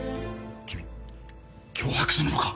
君脅迫するのか！？